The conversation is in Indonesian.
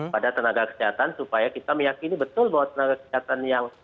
pada tenaga kesehatan supaya kita meyakini betul bahwa tenaga kesehatan yang